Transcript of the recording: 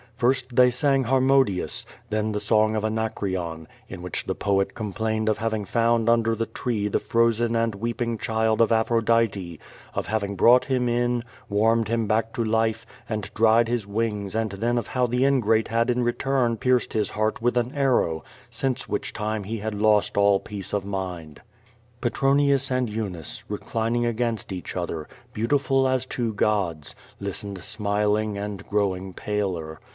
First they sang Harmodius, then the song of Anacreon, in which the poet complained of having found under the tree the frozen and weeping child of Aphro dite, of having brought him in, warmed him back to life and dried his wings and then of how the ingrate had in return pierced his heart with an arrow, since which time he had lost all peace of mind. Petronius and Eunice, reclining against each other, beauti ful as two gods, listened smiling and growing paler.